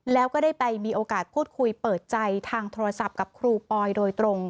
แล้วก็ได้ไปมีโอกาสพูดคุยเปิดใจทางโทรศัพท์กับครูปอยโดยตรง